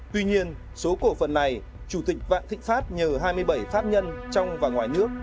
tuy nhiên số cổ phần này chủ tịch vạn thịnh pháp nhờ hai mươi bảy pháp nhân trong và ngoài nước